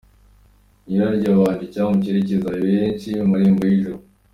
Nyiraryo yabaye icyambu cyerekeza benshi ku marembo y’ijuru.